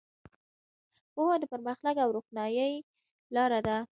پوهه د پرمختګ او روښنایۍ لاره ده.